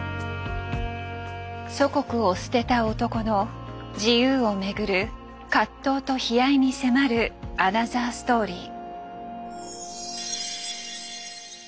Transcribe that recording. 祖国を捨てた男の自由を巡る葛藤と悲哀に迫るアナザーストーリー。